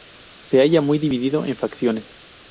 Se halla muy dividido en facciones.